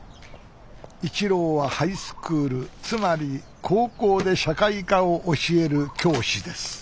一朗はハイスクールつまり高校で社会科を教える教師です